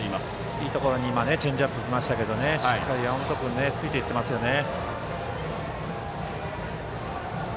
いいところにチェンジアップが来ましたけどしっかり山本君ついていっていますね。